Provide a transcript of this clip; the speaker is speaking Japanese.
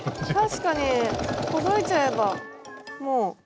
確かにほどいちゃえばもう。